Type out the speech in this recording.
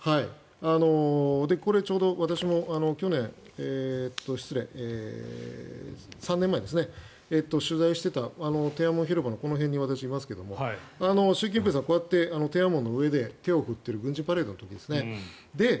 これ、ちょうど私も３年前取材していて天安門広場のこの辺に私、いますが習近平さん、こうやって天安門の上で手を振っている軍事パレードの時ですね。